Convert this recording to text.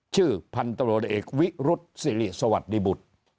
พันธุ์ตำรวจเอกวิรุษศิริสวัสดีบุตร